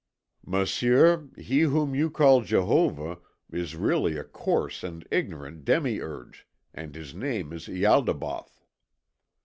"Monsieur, he whom you call Jehovah is really a coarse and ignorant demiurge, and his name is Ialdabaoth."